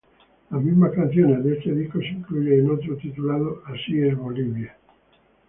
Las mismas canciones de este disco se incluyen en otro titulado "Así es Bolivia".